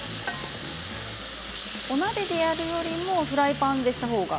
お鍋でやるよりもフライパンでしたほうが。